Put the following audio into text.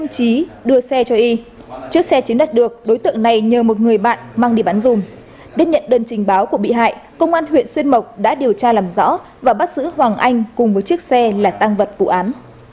chiếc xe chiếm đặt được đối tượng này nhờ một người bạn mang đi bán dùm đến nhận đơn trình báo của bị hại công an huyện xuân mộc đã điều tra làm rõ và bắt giữ hoàng anh cùng với chiếc xe là tăng vật vụ án